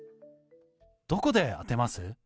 どこで当てます？